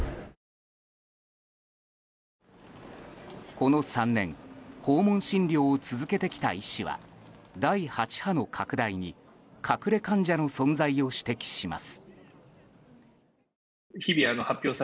この３年訪問診療を続けてきた医師は第８波の拡大に隠れ患者の存在を指摘します。